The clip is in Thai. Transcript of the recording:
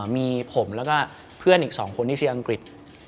มีผมแล้วก็เพื่อนอีกสองคนที่เชียร์อังกฤษ